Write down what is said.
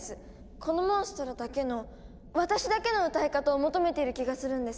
このモンストロだけの私だけの歌い方を求めている気がするんです。